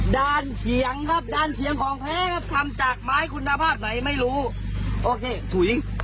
เฉียงครับด้านเฉียงของแพ้ครับทำจากไม้คุณภาพไหนไม่รู้โอเคถุย